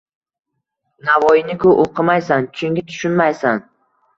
Navoiyni-ku oʻqimaysan, chunki tushunmaysan.